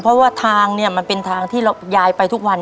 เพราะว่าทางเนี่ยมันเป็นทางที่เรายายไปทุกวัน